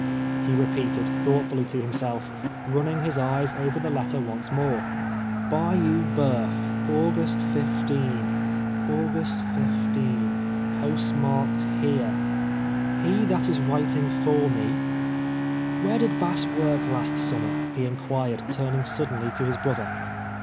he repeated, thougtitfnlly to himself, running his eyes over the let ter once more. "' Bayou Bceuf, August 15.' August 15 — post marked here. ' He that is writing for me —' TTliere did Bass work last summer ?" he inrpiired, turning suddenly to his brother.